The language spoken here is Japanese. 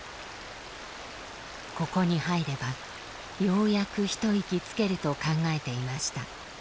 「ここに入ればようやく一息つける」と考えていました。